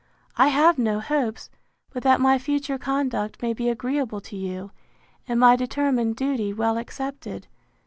I have no hopes, but that my future conduct may be agreeable to you, and my determined duty well accepted.